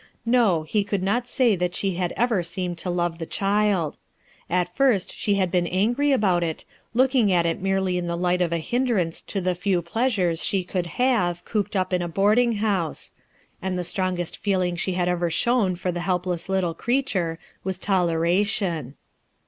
No, he could not say that she had ever seemed to love the child. At first she had been angry about it, looking at it merely in the light of a hindrance to the few pleasures she could have, cooped up in a boarding house; and the strong est feeling she had ever shown for the helpless little creature was toleration.